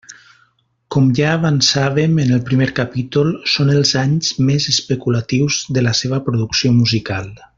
Com ja avançàvem en el primer capítol, són els anys més «especulatius» de la seva producció musical.